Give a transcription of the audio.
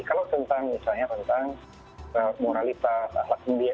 kalau misalnya tentang moralitas ahlak mulia